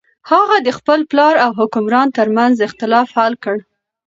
هغه د خپل پلار او حکمران تر منځ اختلاف حل کړ.